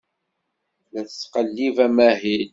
La d-ttqellibeɣ amahil.